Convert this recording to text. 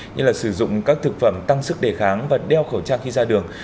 như là sử dụng các thực phẩm tăng sức đề kháng và đeo khẩu trang khi ra đường